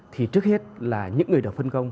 thì trước hết là những người được phân công